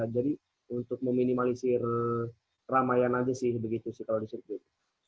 jadi untuk meminimalisir ramayan aja sih begitu sih kalau di sirkuit